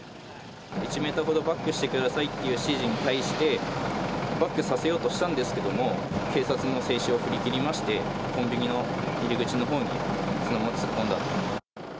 １メートルほどバックしてくださいという指示に対して、バックさせようとしたんですけれども、警察の制止を振り切りまして、コンビニの入り口のほうにそのまま突っ込んだ。